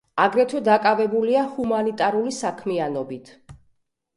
აგრეთვე დაკავებულია ჰუმანიტარული საქმიანობით.